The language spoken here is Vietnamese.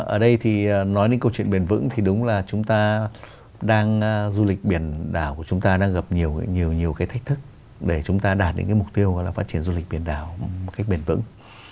ở đây thì nói đến câu chuyện bền vững thì đúng là chúng ta đang du lịch biển đảo của chúng ta đang gặp nhiều nhiều cái thách thức để chúng ta đạt những cái mục tiêu là phát triển du lịch biển đảo một cách bền vững